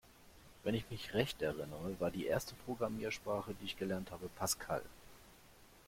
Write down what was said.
Wenn ich mich recht erinnere, war die erste Programmiersprache, die ich gelernt habe, Pascal.